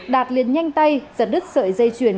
đạt liền nhanh tay giật đứt sợi dây chuyển